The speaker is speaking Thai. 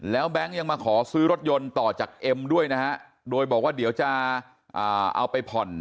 แล้วแบงค์ยังมาขอซื้อรถยนต์ต่อจากเอ็มด้วยนะฮะโดยบอกว่าเดี๋ยวจะเอาไปผ่อน